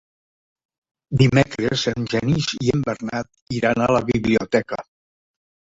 Dimecres en Genís i en Bernat iran a la biblioteca.